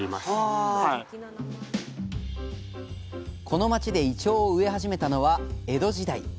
この町でイチョウを植え始めたのは江戸時代。